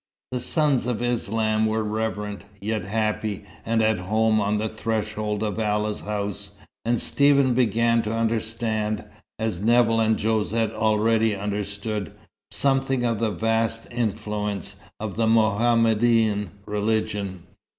The sons of Islam were reverent, yet happy and at home on the threshold of Allah's house, and Stephen began to understand, as Nevill and Josette already understood, something of the vast influence of the Mohammedan religion.